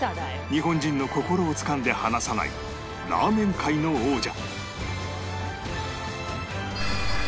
日本人の心をつかんで離さないラーメン界の王者